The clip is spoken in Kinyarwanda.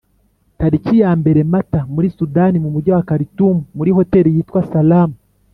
Tariki ya mbere Mata muri Sudan mu Mujyi wa Khartoum muri Hotel yitwa Salam